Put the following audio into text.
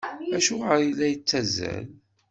Acuɣer i la nettazzal?